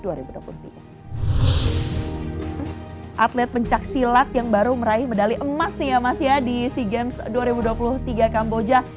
atlet pencaksilat yang baru meraih medali emas nih ya mas ya di sea games dua ribu dua puluh tiga kamboja